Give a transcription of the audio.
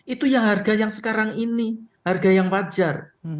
itu yang harga yang sekarang ini harga yang wajar